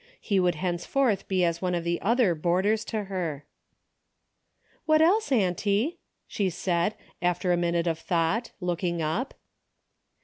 He should henceforth be as one of the other boarders to her. " What else, auntie ?" she asked, after a minute of thought, looking up.